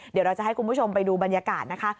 เดี๋ยวเราจะให้คุณผู้ชมไปดูบรรยากาศนะคะ